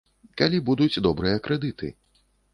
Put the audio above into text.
Калі будуць добрыя крэдыты.